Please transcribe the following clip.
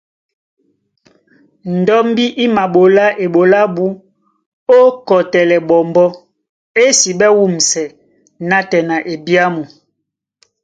Ndɔ́mbí í maɓolá eɓoló ábū ó kɔtɛlɛ ɓɔmbɔ́, ésiɓɛ́ wûmsɛ nátɛna ebyámu.